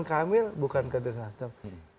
dari tuan kamil bukan kader nasdem